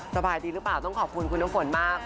สบายดีหรือเปล่าต้องขอบคุณคุณน้ำฝนมาก